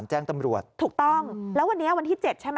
ใช่ถูกต้องแล้ววันนี้วันที่๗ใช่ไหม